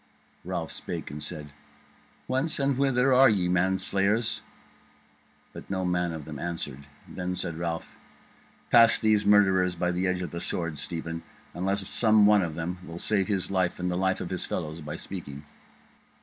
Ralph spake and said: "Whence and whither are ye, ye manslayers?" But no man of them answered. Then said Ralph: "Pass these murderers by the edge of the sword, Stephen; unless some one of them will save his life and the life of his fellows by speaking."